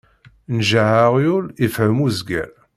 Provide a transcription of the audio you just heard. Njeɛ aɣyul, ifhem uzger.